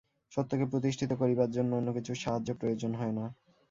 সত্যকে প্রতিষ্ঠিত করিবার জন্য অন্য কিছুর সাহায্য প্রয়োজন হয় না।